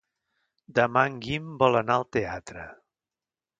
Demà en Guim vol anar al teatre.